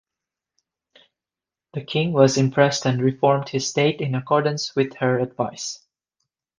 The king was impressed and reformed his state in accordance with her advice.